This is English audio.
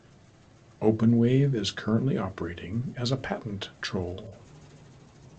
Openwave is currently operating as a patent troll.